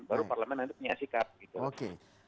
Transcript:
baru parlemen nanti punya sikap gitu